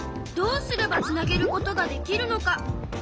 どうすればつなげることができるのか。